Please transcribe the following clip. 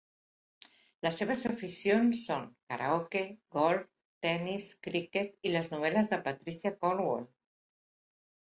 Les seves aficions són: karaoke, golf, tennis, criquet i les novel·les de Patricia Cornwell.